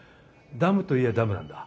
ダムといやダムなんだ。